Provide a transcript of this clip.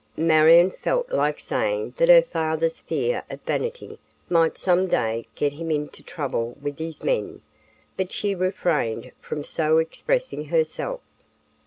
Marion felt like saying that her father's fear of vanity might some day get him into trouble with his men, but she refrained from so expressing herself.